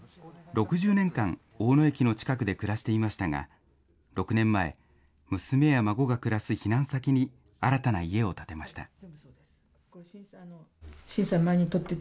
６０年間、大野駅の近くで暮らしていましたが、６年前、娘や孫が暮らす避難先に新たな家を建てました。